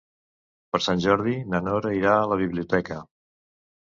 Per Sant Jordi na Nora irà a la biblioteca.